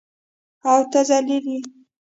او ته ذلیل یې.